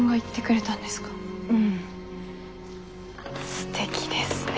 すてきですね。